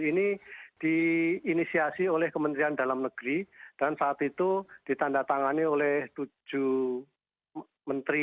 ini diinisiasi oleh kementerian dalam negeri dan saat itu ditanda tangani oleh tujuh menteri